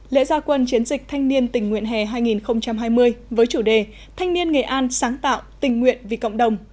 lễ gia quân chiến dịch thanh niên tình nguyện hè hai nghìn hai mươi với chủ đề thanh niên nghệ an sáng tạo tình nguyện vì cộng đồng